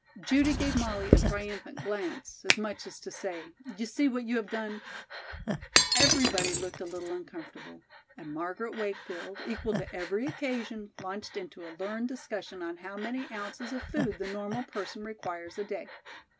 Judy gave Molly a triumphant glance, as much as to say, "You see what you have done." Everybody looked a little uncomfortable, and Margaret Wakefield, equal to every occasion, launched into a learned discussion on how many ounces of food the normal person requires a day.